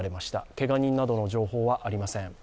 けが人などの情報はありません。